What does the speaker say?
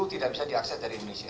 tidak bisa diakses dari indonesia